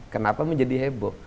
kenapa menjadi heboh